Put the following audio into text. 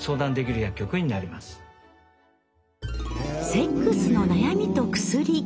「セックスの悩みと薬」